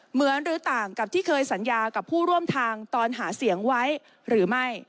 เหมือนหรือต่างกับที่เคยสัญญากับผู้ร่วมทางตอนหาเสียงไว้หรือไม่